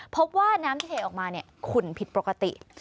พบว่าน้ำที่เทออกมาขุ่นผิดปกติ